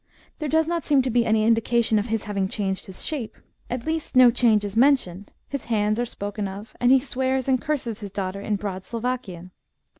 There does not seem to be any indication of his having cbaxiged his shape, at least no change is mentioned, his H^h^s are spoken of, and he swears and curses his daughter*^ in broad Slovakian.